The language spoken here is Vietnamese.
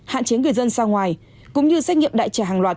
hạn chế người dân ra ngoài cũng như xét nghiệm đại trà hàng loạt